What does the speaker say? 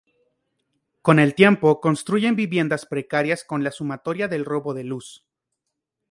Con el tiempo construyen viviendas precarias con la sumatoria del robo de luz.